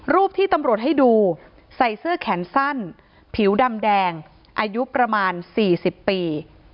รูปที่ตำรวจให้ดูใส่เสื้อแขนสั้นผิวดำแดงอายุประมาณ๔๐ปี